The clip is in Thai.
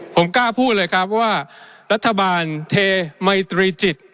ผมกล้าพูดเลยครับว่ารัฐบาลเทมัยตรีจิต